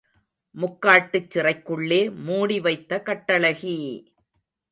முக்காட்டுச் சிறைக்குள்ளே மூடி வைத்த கட்டழகி!